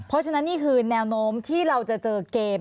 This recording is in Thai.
เพราะฉะนั้นนี่คือแนวโน้มที่เราจะเจอเกม